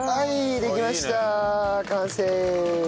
完成！